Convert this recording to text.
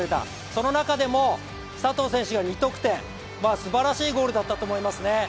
その中でも佐藤選手が２得点、すばらしいゴールだったと思いますね。